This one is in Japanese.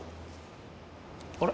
あれ？